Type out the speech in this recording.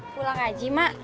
pulang aja mak